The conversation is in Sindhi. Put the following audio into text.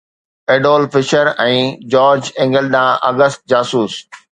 ايڊولف فشر ۽ جارج اينگل ڏانهن آگسٽ جاسوس